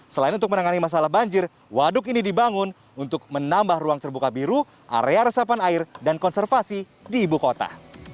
selain untuk menangani masalah banjir waduk ini dibangun untuk menambah ruang terbuka biru area resapan air dan konservasi di ibu kota